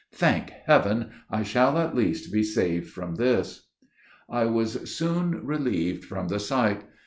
"Thank heaven! I shall at least be saved from this." I was soon relieved from the sight.